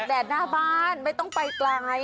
ตากแหน่งหน้าบ้านไม่ต้องไปไกล